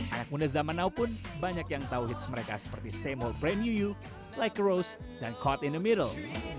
anak muda zaman now pun banyak yang tahu hits mereka seperti same old brand new you like a rose dan caught in the middle